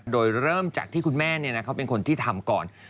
โดยเริ่มจากที่คุณแม่เขาเป็นคนที่ทำก่อน